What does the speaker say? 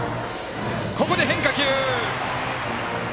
ここで変化球！